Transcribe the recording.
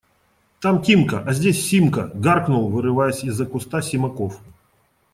– Там Тимка, а здесь Симка! – гаркнул, вырываясь из-за куста, Симаков.